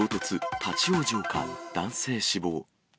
立往生か、男性死亡。